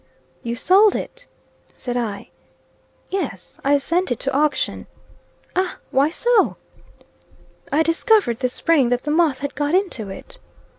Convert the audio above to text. "You sold it?" said I. "Yes. I sent it to auction." "Ah! Why so?" "I discovered, this spring, that the moth had got into it."